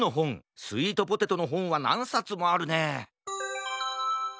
スイートポテトのほんはなんさつもあるね